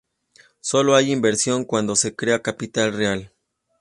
Solo hay inversión cuando se crea capital real.